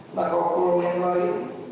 nah kalau pulau m yang lain